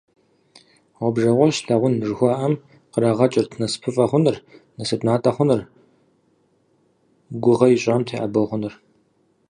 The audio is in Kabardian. «Гъуэбжэгъуэщ лъагъун» жыхуаӏэм кърагъэкӏырт насыпыфӀэ хъуныр, насып натӀэ хъуныр, гугъэ ищӀам теӀэбэу хъуныр.